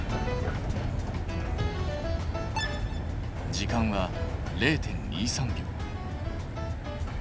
時間は０．２３秒。